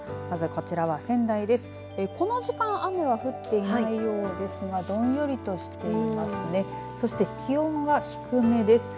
この時間、雨は降っていないようですがどんよりとしていますね。